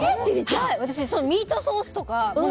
私、ミートソースとか。